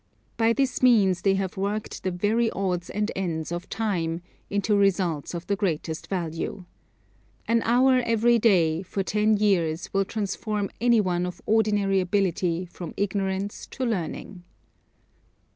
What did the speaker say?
By this means they have worked the very odds and ends of time, into results of the greatest value. An hour every day, for ten years, will transform any one of ordinary ability from ignorance to learning.